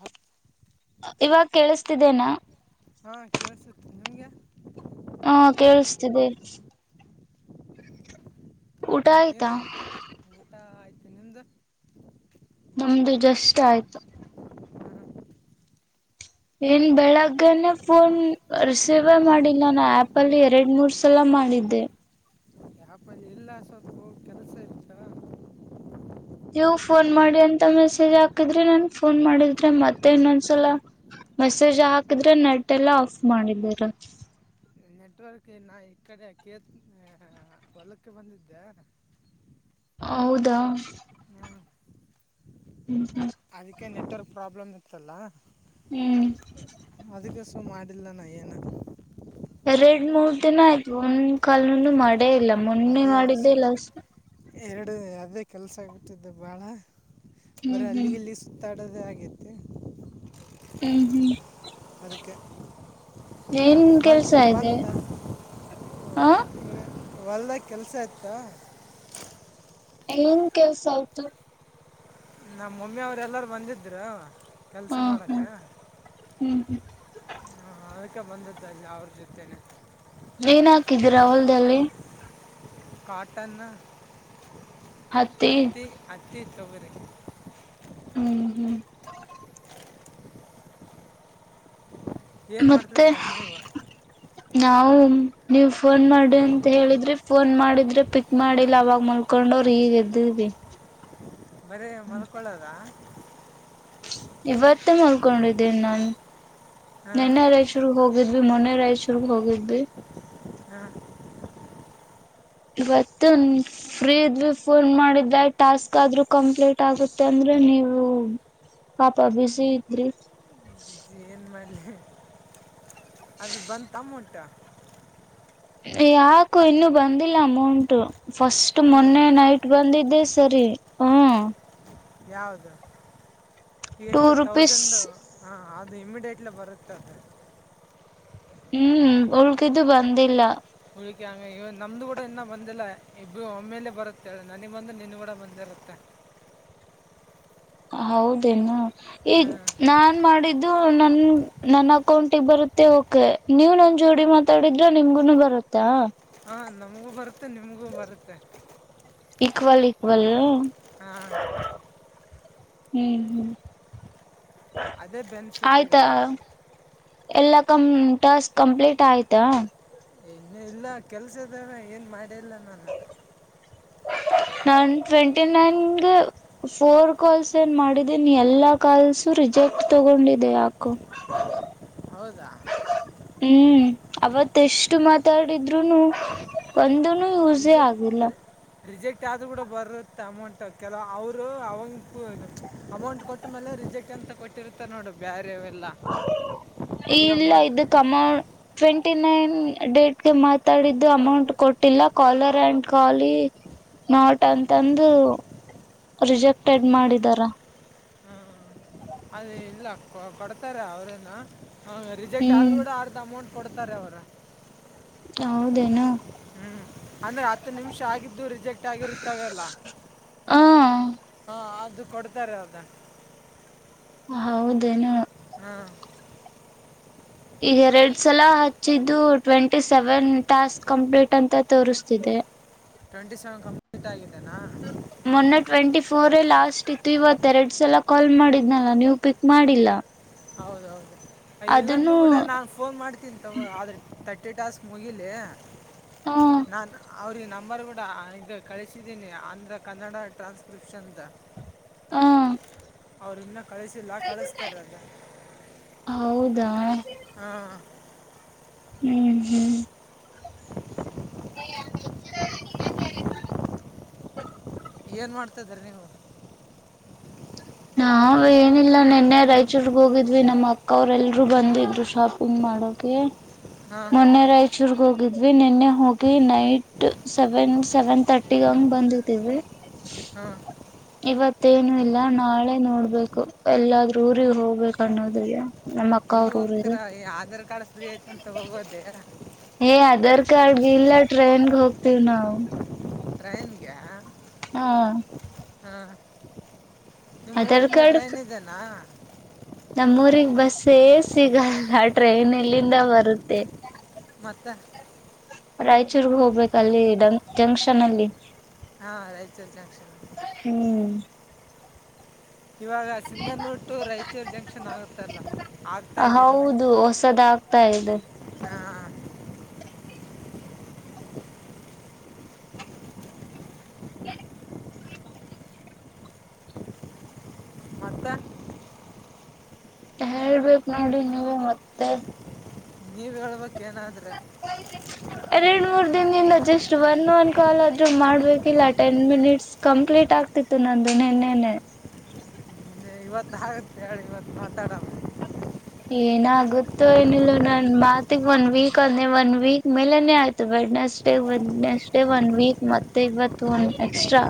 ಹತ್ತು ಇವಾಗ ಕೇಳಿಸ್ತಿದ್ದೇನಾ ಹಾ ಕೇೇಳಸುತ್ತ ನಿಮ್ಗೆ ಹಾ ಕೇಳಿಸ್ತಿದೆ ಊಟ ಏನ್ ಆಯ್ತಾ ಮಾಡ್ತ ಊಟ ಆಯ್ತು ನಿಮ್ದು ನಮ್ದು ಜಸ್ಟ್ ಆಯ್ತು ಏನ್ ಬೆಳಗ್ಗೆನೆೇ ಫೋನ್ ರಿಸೀವ್ ಮಾಡಿಲ್ಲ ನಾ ಆಪ ಅಲ್ಲಿ ಎರಡ್ ಮೂರ್ ಸಲ ಮಾಡಿದ್ದೆ ಎಲ್ಲ ಸವತ್ತು ಕೆಲಸ ಇಚ್ಚಾ ನೀವು ಫೋನ್ ಮಾಡಿ ಅಂತ ಮೆಸೇಜ್ ಹಾಕಿದ್ರಿ ಹಾಕಿದ್ರೆ ನನ್ ಅದಕ್ಕೆ ಮತ್ತೆ ಫೋನ್ ಮಾಡಿದ್ರೆ ಮತ್ತೆ ಇನ್ನೊಂದ್ಸಲ ಮೆಸೇಜ್ ಹಾಕಿದ್ರೆ ನೆಟ್ ಎಲ್ಲಾ ಆಫ್ ಮಾಡಿದರ ನೆಟ್ವರ್ಕ್ ಇ ನ ಈ ಕಡೆ ಕೇ ಹೊಲಕ್ಕೆ ಬಂದಿದ್ದೆ ಹೌದಾ ಹ್ಮ್ ಹ್ಮ್ ಹ್ಮ ಅದಕ್ಕೆ ನೆಟ್ವರ್ಕ್ ಪ್ರಾಬ್ಲಮ್ ಇತ್ತಲ್ಲ ಹ್ಮ್ ಅದಕ್ಕೆ ಸಹ ಮಾಡಿಲ್ಲ ನ ಏನ ಎರಡ್ ಮೂರ್ ದಿನ ಆಯ್ತು ಒಂದ್ ಕಾಲ್ನು ಮಾಡೇ ಇಲ್ಲ ಮೊನ್ನೆ ಅದೇ ಸ್ ಮಾಡಿದ್ದೆ ಇಲ್ಲಷ್ಟ ಎರಡು ಯಾವುದೇ ಕೆಲಸ ಆಗ್ಬಿಟ್ಟಿದ್ದ ಭಾಳ ಬರೀ ಹ್ಮ್ ಹ್ಮ್ ಅಲ್ಲಿಗೆಲ್ಲಿ ಒ ತಡದೇ ಆಗತ್ತು ಹ್ಮ ಹ್ಮ್ ಕಕ್ಕೆೆ ಏನ್ ಕೆಲ್ಸ ಇದೆ ಹಾ ಹೊಲ್ದ ಕೆಲ್ಸ ಇಯತ್ತಾ ಏನು ಕೆವಸ ಅವತು ನಮ್ಮ ಮಮ್ಮಿ ಅವರು ಎಲ್ಲರು ಬಂದಿದರು ಕೆಲಸ ಹಾ ಮಾಡಕ ಹ್ಮ್ ಹ್ಮ್ ಹ್ಮ್ ಅದಕ ಬಂದದ್ದುಲ್ಲಿ ಅವ್ರ ಜೊತೆೇನೆ ಏನ್ ಹಾಕಿದ್ದೀರಾ ಹೊಲ್ದಲ್ಲಿ ಕಾಟನ್ನು ಹತ್ತಿ ಹತಿ ಅ ಹತ್ತಿ ತೊಗರಿ ಹ್ಮ್ ಹ್ಮ್ ಏನು ಮತ್ತೆ ಮಾಡ್ತಿದ್ರ ನೀವು ನಾವು ಹ್ಮ ನೀವ್ ಫೋನ್ ಮಾಡಿ ಅಂತ ಹೇಳಿದ್ರಿ ಫೋನ್ ಮಾಡಿದ್ರೆ ಪಿಕ್ ಮಾಡಿಲ್ಲ ಅವಾಗ ಮಲ್ಕೊಂಡ ಅವರು ಈಗ ಅದವೇ ಬರೇ ಮಲ್ಕೊಳದ ಇವತ್ತೇ ಮಲ್ಕೊಂಡಿದ್ದೇನಿ ನಾನು ಹಾಂ ನಿನ್ನೆ ರಾಯಚೂರು ಹೋಗ ಹೋಗಿದ್ವಿ ಮೊನೆ ರಾಯಚೂರ್ ಹೋಗಿದ್ವಿ ಹ್ಮ ಇವತ್ತು ಫ್ರೀ ಇದ್ವಿ ಫೋನ್ ಮಾಡಿದೆ ಟಾಸ್ಕ್ ಆದ್ರೂ ಕಂಪ್ಲೀಟ್ ಆಗುತ್ತೆ ಅಂದ ಅಂದ್ರ ನೀವು ಪಾಪ ಬುಿಸಿಿ ಇದ್ರಿ ಬಲೆ ಅದ ಬಂದ ತಮ್ಮಂಟ ಯಾಕು ಇನ್ನುೂ ಬಂದಿಲ್ಲ ಅಮೌಂಟ್ ಫಸ್ಟ್ ಬಂದಿಲ್ಲ ಮೊನ್ನೆ ನೈಟ್ ಬಂದಿದ್ದೆ ಸರಿ ಹಾ ಯಾದು ಟೂ ಎಷ್ಟು ತೌಸ್ ರುಪೀಸ್ ಹ ಅದು ಇಮ್ಮಿಡಿಯೇಟ್ಲಿ ಬರುತ್ತದೆ ಹ್ಮ್ ಉಳ್ಗಿದ್ದು ಬಂದಿಲ್ಲ ಇಂಗ ಇ ನಮ್ದು ಕೂಡ ಇನ್ನ ಬಂದಿಲ್ಲ ಇಬ್ಬ ಒಮ್ಮೇಲೆ ಬರುತ್ತೆ ನನಗ್ ಬಂದು ನಿನ್ ಕೂಡ ಬಂದಿರುತ್ತೆ ಹ ಹೌದೇನು ಈಗ್ ಹಾಂ ನಾನ್ ಮಾಡಿದ್ದು ನನ್ ನನ್ ಅಕೌಂಟ್ ಇಬ್ಬರು ತ್ತೆ ಓಕೆ ನೀವ್ ನನ್ ಜೋಡಿ ಮಾತಾಡಿದ್ರ ನಿಮ್ಗುನು ಬರುತ್ತಾ ಹಾ ನಮಗೂ ಬರುತ್ತೆ ನಿಮ್ಗೂ ಬರುತ್ತೆ ಇಕ್ವಲ್ ಇಕ್ವಲ್ ಹಾಂ ಹ್ಮ್ ಹ್ಮ್ ಅದೇ ಬೆನಿಫಿಟ್ ಇದಾರೆ ಅಲ್ಲಿ ಎಲ್ಲಾ ಕ ಟರ್ಸ್ಕ್ ಕಂಪ್ಲೀಟ್ ಆಯ್ತಾ ಇನ್ನು ಇಲ್ಲ ಕೆಲ್ಸದ ಏನ್ ಮಾಡೇಿಲ್ಲ ನಾನ್ ಟ್ವೆಂಟಿ ನೈನ್ಗೆ ಫೋರ್ ಕಾಲ್ಸ್ ಏನ್ ಮಾಡಿದ್ದೀನಿ ಎಲ್ಲಾ ಕಾಲ್ಸುರಿಪ್ ರಿಜೆಕ್ಟ್ ತಗೊಂಡಿದೆೆ ಯಾಕೋ ಹೌದಾ ಹೂ ಅವತ್ ಎಷ್ಟು ಮಾತಾಡಿದ್ರುನು ಒಂದುನು ಇ ಯೂಸೇ ರಿಜೆ ಆಗಿಲ್ಲ ರಿಜೆಕ್ಟ್ ಆದರೂ ಕೂಡ ಬರುತ್ತೆ ಅಮೌಂಟ್ ಕೆಲವ ಅವರು ಅವಂ ಅಮೌಂಟ್ ಕೊಟ್ಟ ಮೇಲೆ ೆ ಅಂತ ಕೊಟ್ಟಿರುತ್ತೆ ನೋಡು ಬ್ಯ ಇಲ್ಲ ಮೊದ್ ಇದು ಅಮೌನ್ ಟ್ವೆಂಟಿ ನೈನ್ ಡೇಟ್ಗೆ ಮಾತಾಡಿದ್ದು ಅಮೌಂಟ್ ಕೊಟ್ಟಿಲ್ಲ ಕಾಲರ್ ಆಂಡ್ ಕಾಲಿ ನೋಟ್ ಅಂತಂದು ರಿಜೆಕ್ಟೆಡ್ ಮಾಡಿದಾರ ಅದೇ ಇಲ್ಲ ಕೊ ಕೊಡ್ತಾರೆ ಅವ್ರನ್ನ ಅವ ರಿಜೆಕ್ಟ್ ಆದ್ರರು ಹ್ಮ್ ಕೂಡ ಅರ್ಧ ಅಮೌಂಟ್ ಕೊಡ್ತಾರೆ ಅವರು ಹೌದೇನು ಹೂ ಅಂದ್ರೆ ಹತ್ತು ನಿಮಿಷ ಆಗಿದ್ದು ರಿಜೆಕ್ಟ್ ಆಗಿರುತ್ತವೆ ಅಲ್ಲ ಹ ಹಾ ಅದು ಕೊಡ್ತಾರೆ ಅದ ಹೌದೇನು ಹೂ ಈಗ ಎರಡ್ ಸಲ ಹಚ್ಚಿದ್ದು ಟ್ವೆಂಟಿ ಸೆವೆನ್ ಟಾಸ್ಕ್ ಕಂಪ್ಲೀಟ್ ಅಂತ ತೋರಿಸ್ತಿದೆ ಹ ಟ್ವೆಂಟಿ ಸೆವೆನ್ ಕಂಪ್ಲೀಟ್ ಆಗಿದೆ ನಾ ಹ ಮೊನ್ನೆ ಟ್ವೆಂಟಿ ಫೋರ್ ಲಾಸ್ಟ್ ಇತ್ತು ಇವತ್ತೆರಡು ಸಲ ಕಾಲ್ ಮಾಡಿದ್ನಲ್ಲ ನೀವು ಪಿಕ್ ಮಾಡಿಲ್ಲ ಇಲ್ಲಂದೂ ಅದನ್ನು ಕೂಡ ನಾನು ಫೋನ್ ಮಾಡ್ತೀನಿ ತಗೋ ಆದರೆ ತರ್ಟಿ ಏ ಟಾಸ್ಕ್ ಮುಗಿಲಿ ಹ ನಾನಾ ಅವ್ರಿಗೆ ನಂಬರ್ ಕೂಡ ಈಗ ಕಳಿಸಿದ್ದೀನಿ ಅಂದ್ರ ಕನ್ನಡ ಟ್ರಾನ್ಸ್ಕ್ರಿಪ್ಷನ್್ದ ಹೂ ಅವ್ರ ಇನ್ನ ಕಳಿಸಿಲ್ಲ ಕಳಸ್ತಾರಲ್ಲ ಹೌದಾ ಹಾ ಹೂ ಹೂ ಹ ಏನ್ ಮಾಡ್ತಾ ಅದಿರಿ ನೀವು ನಾವ್ ಏನಿಲ್ಲ ನಿನ್ನೆ ರಾಯಚೂರ್ಗ್ ಹೋಗಿದ್ವಿ ನಮ್ಮ ಅಕ್ಕ ಅವ್ರ ಎಲ್ರುೂ ಬಂದಿದ್ರು ಶಾಪಿಂಗ್ ಮಾಡ ಮಾಡಕೆ ಹಾಂ ಮೊನ್ನೆ ರಾಯಚೂರ್ಗ ಹೋಗ ಆ್ವಿ ನಿನ್ನೆ ಹೋಗಿ ನೈಟ್ ಸೆವೆನ್ ಸೆವೆನ್ ತರ್ಟಿ ಹಂಗ್ ಬಂದುಬಿಟ್ಟಿದ್ವಿ ಹೂ ಇವತ್ತೇನು ಇಲ್ಲ ನಾಳೆ ನೋಡ್ಬೇಕು ಎಲ್ಲಾದ್ರೂ ಊಗ್ ಹೋಗ್ಬೇಕ ಅನ್ನೋದಿದೇ ಎಲ್ಲಿ ಹೋಗ್ತೀರಾ ಈ ಆಧಾರ್ ಕಾರ್ಡ್ ಫ್ರೀ ಐತಂತ ಹೋಗೋದೇ ಏ ಆಧಾರ್ ಕಾರ್ಡ್ಗೆ ಇಲ್ಲ ಟ್ರೈನ್ಗೆ ಹೋಗ್ತಿವ್ ನಾವು ಟ್ರೈಂಗ್ಯ ಹಾ ನಿಮ್ ಆಧಾರ್ ಊರಿಂದ ಟ್ರೈನ್ ಇದೇನ ನಮ್ಮೂರಿಗೆ ಬಸ್ಸೇ ಸಿಗಲ್ಲ ಟ್ರೈನ್ ಎಲ್ಲಿಂದ ಬರುತ್ತೆ ಮತ್ತ ರಾಯಚೂರು ಹೋಗಬೇಕ ಅಲ್ಲಿ ಜೆಕ್ಷನ್ ಅಲ್ಲಿ ಹಾ ರಾಯಚೂರುಜಂಕ್ ಹ್ಮ್ ಇವಾಗ ಸಿಂಧನೂರು ಟು ರಾಯಚೂರು ಜಂಕ್ಷನ್ ಆಗುತ್ತಲ್ಲ ಆಗ್ತಾ ಇದೆ ಹೌದು ಹೊಸದ ಆಗ್ತಾ ಇದೆ ಹಾಂ ಮತ್ತೆ ಹೇಳ್ಬೇಕು ನೋಡಿ ನೀವು ಮತ್ತೆ ನೀವ್ ಹೇಳ್ಬೇಕೇನಾದ್ರೆ ಿನದಿಂದ ಜಸ್ಟ್ ಒನ್ ಒನ್ ಕಾಲ್ ಆದ್ರೂ ಮಾಡ್ಬೇಕಿಲ್ಲ ಟೆನ್ ಮಿನಿಟ್ಸ್ ಕಂಪ್ಲೀಟ್ ಆಗ್ತಿತ್ತು ನಂದು ನ್ನ್ಣ ಇನ್ನು ಇವತ್ತು ಆಗುತ್ತೆ ಹೇಳಿ ಇವತ್ತು ಮಾತಾಡಮ್ಮ ಏನ ಗೊತ್ತು ಏನಿಲ್ಲ ನನ್ ಮಾತಿಗ್ ಒನ್ ವೀಕ್ ಅಂದೆ ಒನ್ ವೀಕ್ ಮೇಲನೆೇ ಆಯ್ತು ಬಡ್ನೆಸ್ ಅೇ ಒ ಅಷ್ಟೇ ಒನ್ ವೀಕ್ ಮತ್ತೆ ಇವತ್ತು ಒನ್ ಎಕ್ಸ್ಟ್ರಾ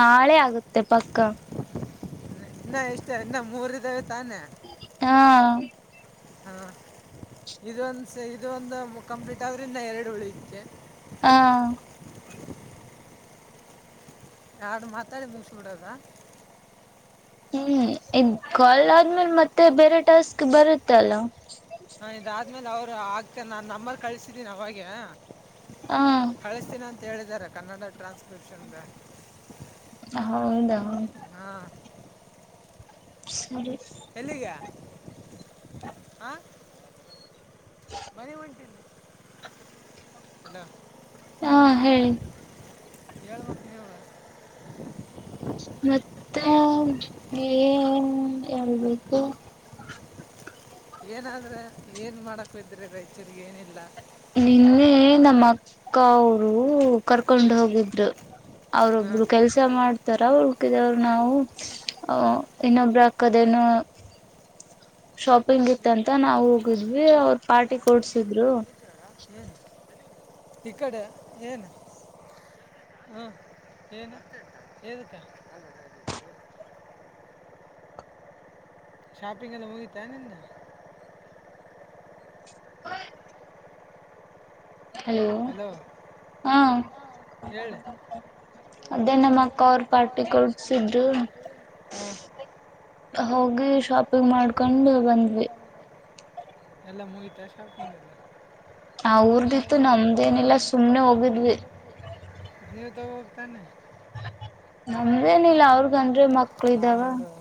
ನಾಳೆ ಆಗುತ್ತೆ ಪಕ್ಕ ನಾ ಇಷ್ಟ ನಮ್ಮ್ ಊರಿದ ಹಾ ಹಾ ಇದೊಂದ ಇದ ಒಂದು ಕಂಪ್ಲೀಟ್ ಆದ್ರಿಂದ ಎರಡು ಹುಳಕ್ಕೆ ಹಾ ಯಾಡು ಮಾತಾಡಿ ಮುಗಿಸಿ ಬಿಡದ ಹ್ಮ್ ಇ ಕಾಲ್ ಆದ್ಮೇಲೆ ಮತ್ತೆ ಬೇರೆ ಟಾಸ್ಕ್ ಬರುತ್ತೆ ಅಲ್ಲ ಹಾ ಇದಾದ್ಮೇಲೆ ಅವ್ರು ಆಕ ನಾನ್ ನಂಬರ್ ಕಳ್ಸಿದೀನ ಅವಾಗೆ ಹ್ಮ ಕಳಿಸ್ತೀನಿ ಅಂತ ಹೇಳಿದ್ದಾರೆ ಕನ್ನಡ ಟ್ರಾನ್ಸ್ಕ್ರಿಪ್ಷನ್ಗೆ ಹೌದೌದು ಹಾ ಸರಿ ಎಲ್ಲಿಗೆ ಆ ಮನೆ ಒಂಟಿನಿ ಅಲ್ಲ ಹಾ ಹೇಳಿ ಏಳಬೇಕು ನೀವು ಮತ್ತ ಏ ಹೇಳ್ಬೇಕು [inaudible] ಏನಾದ್ರ ಏನ್ ಮಾಡಕ್ ಇದ್ರೆ ರಾಯಚೂರಗೆ ಏನಿಲ್ಲ ನಿನ್ನೆ ನಮ್ಮ ಅಕ್ಕ ಅವರು ಕರ್ಕೊಂಡು ಹೋಗಿದ್ರು ಹಾಂ ಅವ್ರೊಬ್ರು ಕೆಲ್ಸ ಮಾಡ್ ತರ್ ಹುಕಿದವರು ನಾವು ಅಹ ಇನ್ನೊಬ್ರ ಹಾಕದೇನ ಶಾಪಿಂಗ್ ಇತ್ತಂತ ನಾವ ಹೋಗಿದ್ವಿ ಅವ್ರ ಪಾರ್ಟಿ ಕೊಡ್ಸಿದ್ರು ಹ್ಮ ಈ ಕಡೆ ಏನ್ ಹ್ಮ ಏನು ಏನಕ್ಕ ಶಾಪಿಂಗ್ ಎಲ್ಲ ಮುಗಿತಾ ನಿಂದ ಹ್ಮ ಹಲೋ ಹಾ ಹೇಳು ಅದೇ ನಮ್ಮ ಅಕ್ಕ ಅವರು ಪಾರ್ಟಿ ಕೊಡ್ಸಿದ್ರು ಹ್ಮ್ ಹೋಗಿ ಶಾಪಿಂಗ್ ಮಾಡ್ಕೊಂಡು ಬಂದ್ವಿ ಬಂದ್ವಿ ಎಲ್ಲ ಮುಗಿತಾ ಶಾಪಿಂಗ್ ಇಲ್ಲ ಆ ಊರ್ದಿತ್ತು ನಮ್ದೇನಿಲ್ಲ ಸುಮ್ನೆ ಹೋಗಿದ್ವಿ ದ ಹೋಗತಾನೆ ನಮ್ದೇನಿಲ್ಲ ಅವ್ರಗನ್್ ಮಕ್ಳ ಇದ್ದಾವ ಆಮೇಲೆ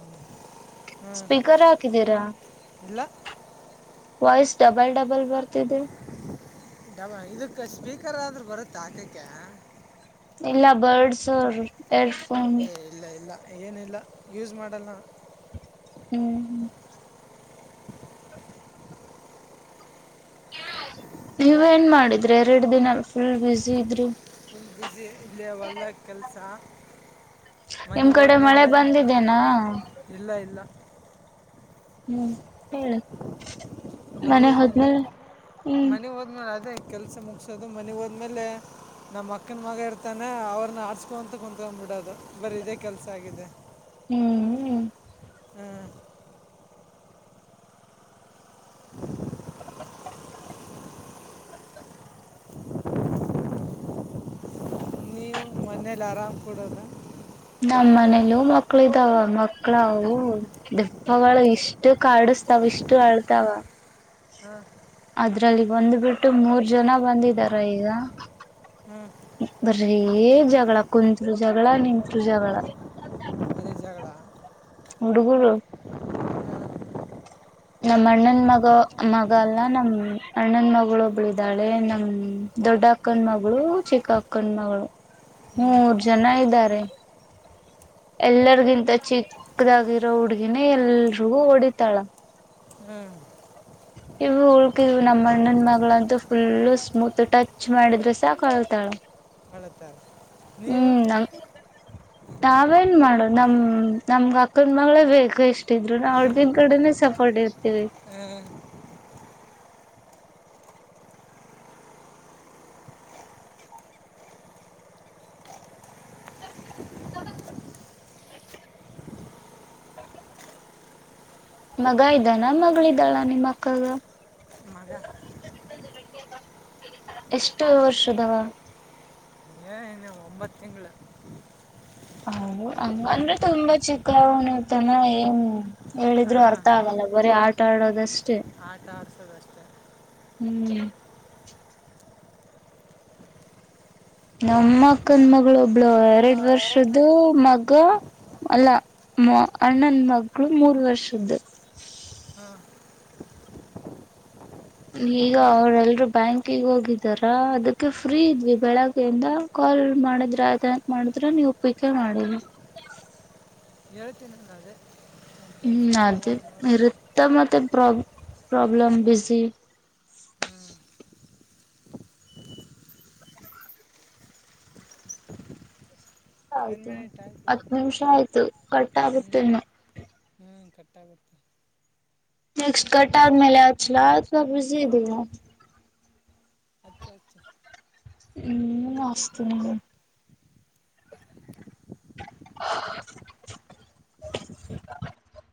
ಹ್ಞೂ ಸ್ಪೀಕರ್ ಹಾಕಿದ್ದೀರಾ ಇಲ್ಲ ವಾಯ್ಸ್ ಡಬಲ್ ಡಬಲ್ ಬರ್ತಿದೆ ಡಬ ಇದಕ್ಕೆ ಸ್ಪೀಕರ್ ಆದ್ರರು ಬರುತ್ತೆ ಹಾಕಕ ಎಲ್ಲ ಬರ್ಡ್ಸ್ ಏರ್ಫೋನ್ ಏ ಇಲ್ಲ ಇಲ್ಲ ಏನಿಲ್ಲ ಯೂಸ್ ಮಾಡಲ್ಲ ಹ್ಮ್್ಮ ನೀವ ಏನ್ ಮಾಡಿದ್ರಿ ಎರಡು ದಿನ ಫುಲ್ ಬಿಸಿಿ ಇದ್ರಿ ಬಿಸಿಿ ಇಲ್ಲಿವಲ್ಲ ಕೆಲಸ ನಿಮ್ ಮನೆಗೆ ಕಡೆ ಮಳೆ ಹೋದ್ಮೇಲೆ ಬಂದಿದೆೇನಾ ಇಲ್ಲ ಇಲ್ಲ ಹ್ಮ್ ಹೇಳ ಮಳಿ ಏನಿಲ್ಲ ಮನೆ ಹೋದನಾರ ಅದೇ ಕೆಲಸ ಮುಗಿಸೋದು ಮನೆಗೆ ಹೋದ್ಮೇಲೆ ನಮ್ಮ ಅಕ್ಕನ ಮಗ ಇರ್ತಾನೆ ಅವ್ರನ್ನ ಆಡ್ಸ್ಕೊಂತ ಕಂತ್ಕೊ್ಂಬಿಟ್ಟು ನಡದು ಬರೀ ಇದೇ ಕೆಲ್ಸ ಆಗಿದೆ ಹ್ಮ್್ಮ ಹಾಂ ಹ ನೀವು ಮನೇಲಿ ಆರಾಮ್ ಕೊಡೋದ ನಮ್ಮ ಮನೇಲ ಮಕ್ಕಳ ಇದಾವ ಮಕ್ಳವು ದಪ್ಪಳ ಇಷ್ಟು ಕಾಡಸ್ತಾವ ಇಷ್ಟು ಅಳ್ತಾವ ಹಾಂ ಅದ್ರಲ್ಲಿ ಬಂದ್ಬಿಟ್ಟು ಮೂರ್ ಜನ ಬಂದಿದಾರ ಈಗ ಹ್ಞೂ ಬರ್ರೀ ಜಗಳ ಕುತ್ರು ಜಗಳ ನಿತ್ರು ಜಗಳ ಅದೇ ಜಗಳ ಹುಡುಗುರು ನಮ್ಮ ಅಣ್ಣನ್ ಮಗ ಮಗ ಅಲ್ಲ ನಮ್ ಅಣ್ಣನ್ ಮ ಒಬ್ಳಿದ್ದಾಳೆ ನಮ ದೊಡ್ಡ ಅಕ್ಕಂಡ ಮಗಳು ಚಿಕ್ಕ ಅಕ್ಕಂಡ ಮಗಳು ಹ್ಞೂ ಮೂರು ಜನ ಇದ್ದಾರೆ ಎಲ್ಲರಿಗಿಂತ ಚಿಕ್ಕದಾಗಿರೋ ಹುಡ್ಗಿನ ಎಲ್ರಿಗೂ ಹೊಡಿತಾಳ ಹ್ಮ್ ಇವು ಉಳ್ಕಿದವು ನಮ್ಮ ಅಣ್ಣನ ಮಗಳಂತೂ ಫುಲ್ಲು ಸ್ಮೂತ್ ಟಚ್ ಮಾಡಿದ್ರೆ ಸಾ ಕಳ್ತಾಳ ಹೇಳುತ್ತಾರೆ ನೀವು ಹ ನಾವೇನ್ ಮಾಡೋ ನಮ್ ನಮ್ಗ ಅಕ್ಕನ್ ಮಗಳೇ ಬೇಕ ಇಷ್ಟಿದ್ರು ನಾ ಹಳ್ದನ್ ಕಡೆನೇ ಸಪೋರ್ಟ್ ಹೊಡಿ ಇರ್ತೀವಿ ಹ್ಮ ಹ ಮಗ ಇದ್ದಾನ ಮಗಳಿದ್ದಾಳ ನಿಮ್ಮ ಅಕ್ಕಗ ಮಾಗ ಎಷ್ಟು ವರ್ಷದವ ಒಂಬತ್ತಿಂಗ ಹ ಹಂಗ ಅಂದ್ರೆ ತುಂಬಾ ಚಿಕ್ಕತಾನ ಏನು ಹೇಳಿದ್ರು ಹಾಂ ಅರ್ಥ ಆಗಲ್ಲ ಬರೀ ಆಟ ಆಡೋದಷ್ಟೇ ಆಟ ಆಡ್ಸೋದಷ್ಟೇ ಹ್ಮ್ ನಮ್ಮ ಅಕ್ಕನ್ ಮಗಳು ಒಬ್ಳು ಎರಡ್ ಎರಡು ವರ್ಷ್ದ ಮಗ ಅಲ್ಲಾ ಮ ಅಣ್ಣನ ಮಕ್ಳು ಮೂರು ವರ್ಷದ್ದು ಹಾಂ ಈಗ ಅವ್ರಲ್ರುೂ ಬ್ಯಾಂಕಿಗೆ ಹೋಗಿದಾರ ಅದಕ್ಕೆ ಫ್ರೀ ಇದ್ವಿ ಬೆಳಗ್ಗೆಯಿಂದ ಲ್ ಮಾಡಿದ್ರ ಅಂತ ಮಾಡಿದ್ರ ನೀ ಒಪ್ಪಿಕ ಮಾಡ ಎಳತ್ತಿನ ಅದು ಹ್ಮ್ ಅದೇ ಇರುತ್ತ ಮತ್ತೆ ಪ್ರಬ್ ಪ್ರೊಬ್ಲಮ್ ಬಝಿ ಹಾಂ ಟೆನ್ ಆಯ್ತು ಮಿನಿಟ್ ಆಯ್ತು ಹತ್ ನಿಮಿಷ ಆಯ್ತು ಕಟ್ಟ ಆಗುತ್ತೆ ಇನ್ನು ಹಾ ಕಟ್ಟಾಗುತ್ತೆ ನೆಕ್ಸ್ಟ್ ಕಟ ಆದ ಮೇಲೆ ಹಚಲ ಬಿಸಿ ಇದಿರಾ ಅಚ್ಚಾ ಅಚ್ಚಾ ಹ್ಮ ಹಸ್ತಿನಿ [inaudible]